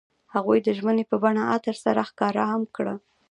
هغوی د ژمنې په بڼه عطر سره ښکاره هم کړه.